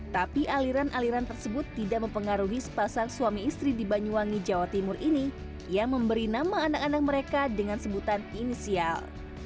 tapi aliran aliran tersebut tidak mempengaruhi sepasang suami istri di banyuwangi jawa timur ini yang memberi nama anak anak mereka dengan sebutan inisial